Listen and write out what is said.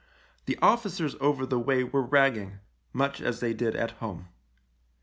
The officers over the way were ragging — much as they did at home.